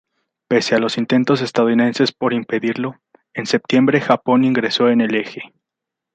Pese a los intentos estadounidenses por impedirlo, en septiembre Japón ingresó en el Eje.